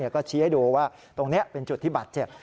ก็ชี้ให้ดูว่าตรงนี้เป็นจุดที่บาดเจ็บ